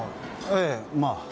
ええまあ